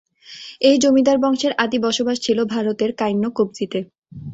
এই জমিদার বংশের আদি বসবাস ছিল ভারতের কাইন্নকব্জিতে।